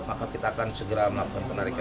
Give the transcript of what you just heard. maka kita akan segera menarik